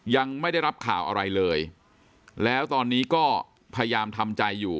ยังไม่ได้รับข่าวอะไรเลยแล้วตอนนี้ก็พยายามทำใจอยู่